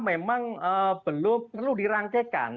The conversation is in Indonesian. memang belum perlu dirangkaikan